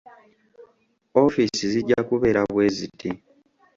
Ofiisi zijja kubeera bweziti.